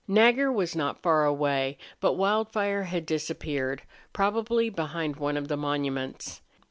Nagger was not far away, but Wildfire had disappeared, probably behind one of the monuments.